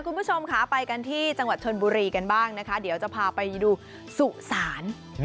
คุณผู้ชมค่ะไปกันที่จังหวัดชนบุรีกันบ้างนะคะเดี๋ยวจะพาไปดูสุสาน